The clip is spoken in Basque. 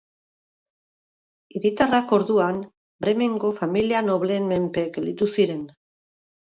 Hiritarrak orduan Bremengo familia nobleen menpe gelditu ziren.